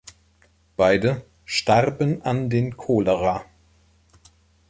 Beide starben an den Cholera.